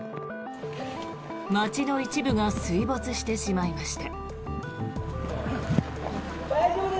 町の一部が水没してしまいました。